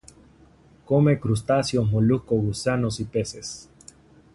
Come crustáceos, moluscos, gusanos, y peces.